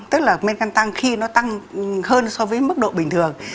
tức là men tăng khi nó tăng hơn so với mức độ bình thường